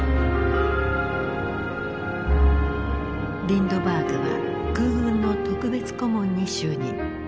リンドバーグは空軍の特別顧問に就任。